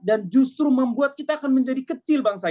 dan justru membuat kita akan menjadi kecil bangsa ini